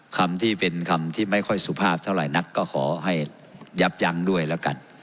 คำที่เป็นคำที่ไม่ค่อยสุภาพเท่าไหร่นักก็ขอให้ยับยั้งด้วยแล้วกัน